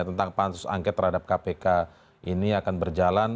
tentang pansus angket terhadap kpk ini akan berjalan